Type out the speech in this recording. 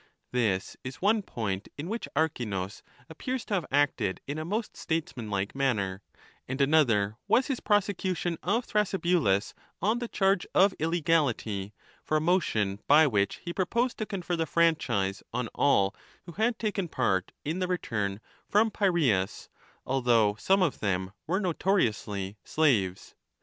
This is one point in which Archinus a appears to have acted in a most statesmanlike manner, and another was his subsequent prosecution of Thrasybulus on the charge of illegality, for a motion by which he proposed to confer the franchise on all who had taken part in the return from Piraeus, although some of them were notoriously slaves.